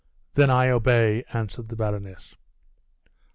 "Then I obey," answered the baroness.